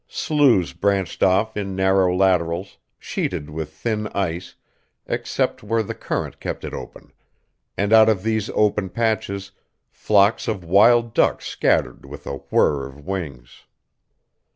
Sloughs branched off in narrow laterals, sheeted with thin ice, except where the current kept it open, and out of these open patches flocks of wild duck scattered with a whir of wings.